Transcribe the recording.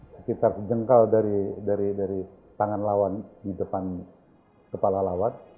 sekitar sejengkal dari tangan lawan di depan kepala lawan